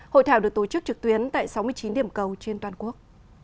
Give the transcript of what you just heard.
hội thảo được tổ chức trực tuyến tại sáu mươi chín điểm cầu trên toàn quốc